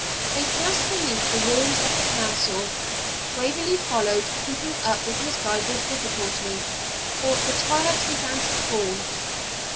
They passed beneath the ruins of the castle; Waverley followed, keeping up with his guide with difficulty, for the twilight began to fall.